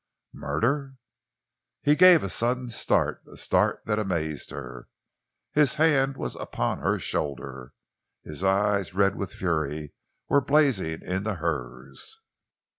"Murder!" He gave a sudden start, a start that amazed her. His hand was upon her shoulder. His eyes, red with fury, were blazing into hers.